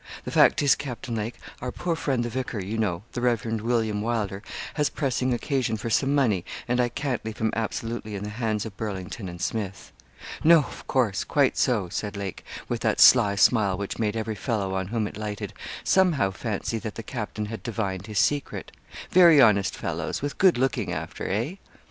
The fact is, Captain Lake, our poor friend the vicar, you know, the Rev. William Wylder, has pressing occasion for some money, and I can't leave him absolutely in the hands of Burlington and Smith.' 'No, of course quite so,' said Lake, with that sly smile which made every fellow on whom it lighted somehow fancy that the captain had divined his secret. 'Very honest fellows, with good looking after eh?'